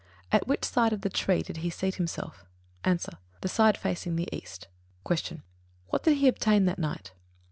At which side of the tree did he seat himself? A. The side facing the east. 63. Q. _What did he obtain that night?